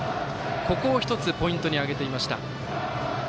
ここを１つポイントに挙げていました。